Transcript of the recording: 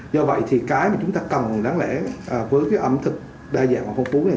do vậy thì cái mà chúng ta cần đáng lẽ với cái ẩm thực đa dạng và phong phú này